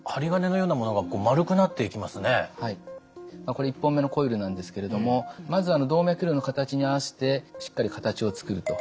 これ１本目のコイルなんですけれどもまず動脈瘤の形に合わせてしっかり形を作ると。